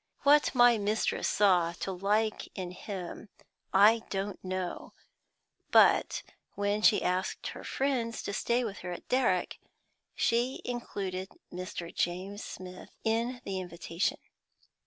What my mistress saw to like in him I don't know; but when she asked her friends to stay with her at Darrock, she included Mr. James Smith in the invitation.